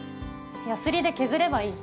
ヤスリで削ればいい。